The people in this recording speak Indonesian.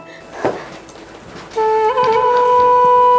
dia memang ibu kandung mohon nih mas